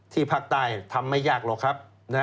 ตีพักใต้ทำไม่ยากหรอกนะครับ